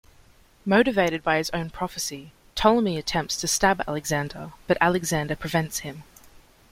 Motivated by his own prophecy, Ptolemy attempts to stab Alexander, but Alexander prevents him.